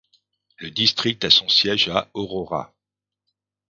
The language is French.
Le district a son siège à Aurora.